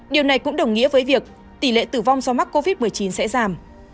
điều này cũng đồng nghĩa với việc tỷ lệ tử vong do mắc covid một mươi chín sẽ giảm